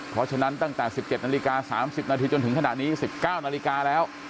เพราะฉะนั้นตั้งแต่๑๗นาฬิกา๓๐นาทีจนถึงขณะนี้๑๙นาฬิกาแล้ว